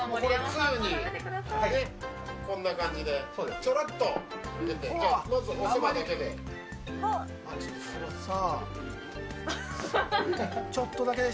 こんな感じでちょろっと入れておそばだけで。